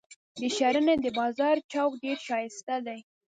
د شرنۍ د بازار چوک ډیر شایسته دي.